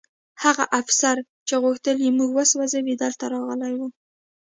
هغه افسر چې غوښتل یې موږ وسوځوي دلته راغلی و